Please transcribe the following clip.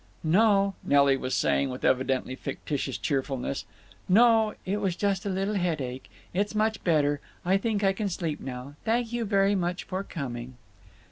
"No," Nelly was saying with evidently fictitious cheerfulness, "no, it was just a little headache…. It's much better. I think I can sleep now. Thank you very much for coming."